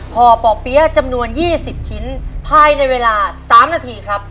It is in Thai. ห่อป่อเปี๊ยะจำนวน๒๐ชิ้นภายในเวลา๓นาทีครับ